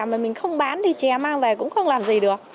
mà mình không bán thì chè mang về cũng không làm gì được